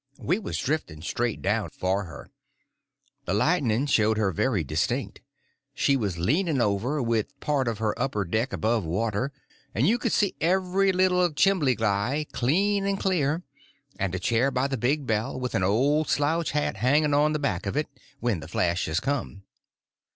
We was drifting straight down for her. The lightning showed her very distinct. She was leaning over, with part of her upper deck above water, and you could see every little chimbly guy clean and clear, and a chair by the big bell, with an old slouch hat hanging on the back of it, when the flashes come.